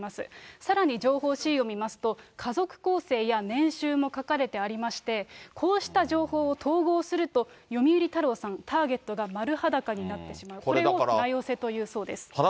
さらに情報Ｃを見ますと、家族構成や年収も書かれてありまして、こうした情報を統合すると、読売太郎さん、ターゲットが丸裸になこれ、だから。